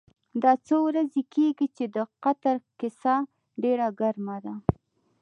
دا څو ورځې کېږي چې د قطر کیسه ډېره ګرمه ده.